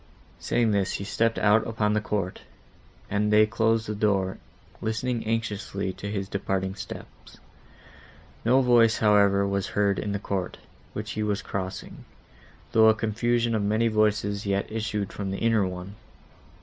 Saying this, he stepped out upon the court, and they closed the door, listening anxiously to his departing steps. No voice, however, was heard in the court, which he was crossing, though a confusion of many voices yet issued from the inner one.